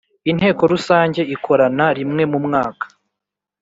Inteko Rusange ikorana rimwe mu mwaka